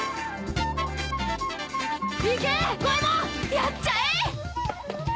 やっちゃえ！